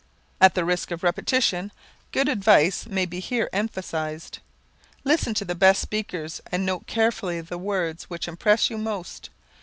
At the risk of repetition good advice may be here emphasized: Listen to the best speakers and note carefully the words which impress you most.